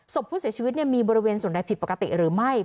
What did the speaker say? ศพผู้เสียชีวิตมีบริเวณส่วนใดผิดปกติหรือไม่